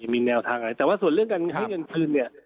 มีแนวทางหาแต่ว่าส่วนเรื่องการลั้งเงินคืนนี้